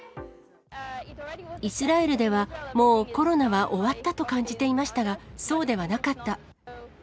イスラエルでは、もうコロナは終わったと感じていましたが、そうではなかった。